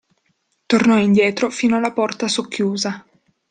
Tornò indietro fino alla porta socchiusa.